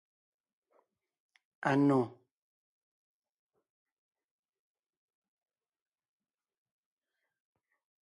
Anò.